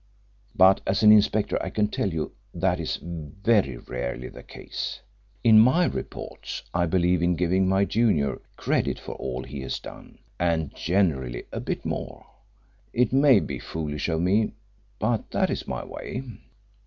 But as an inspector I can tell you that is very rarely the case. In my reports I believe in giving my junior credit for all he has done, and generally a bit more. It may be foolish of me, but that is my way.